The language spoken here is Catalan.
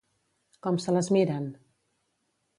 Com se les miren?